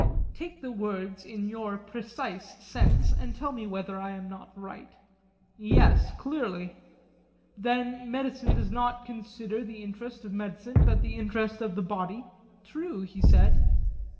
Take the words in your precise sense, and tell me whether I am not right. Yes, clearly. Then medicine does not consider the interest of medicine, but the interest of the body? True, he said.